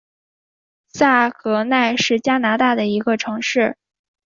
萨格奈是加拿大的一个城市。